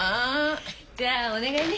じゃあお願いね。